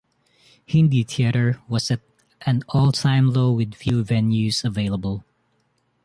Hindi theatre was at an all-time low with few venues available.